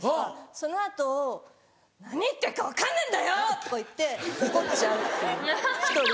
その後「何言ってっか分かんねえんだよ！」とか言って怒っちゃうっていう１人で。